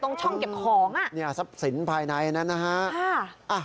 ตรงช่องเก็บของสินภายในนะฮะ